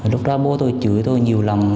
lúc đó bố tôi chửi tôi nhiều lắm